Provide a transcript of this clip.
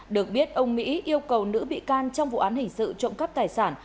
được biết ông mỹ yêu cầu nữ bị can trong vụ án hình sự trộm cắp tài sản